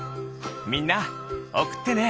みんなおくってね！